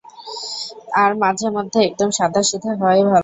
আর মাঝেমধ্যে, একদম সাদাসিধে হওয়াই ভাল।